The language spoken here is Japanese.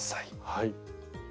はい。